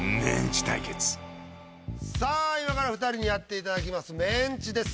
さあ今から２人にやっていただきます「メンチ」です。